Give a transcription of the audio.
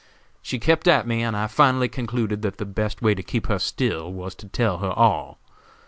She kept at me and I finally concluded that the best way to keep her still was to tell her all.